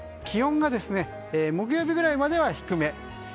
気温が木曜日ぐらいまでは低め。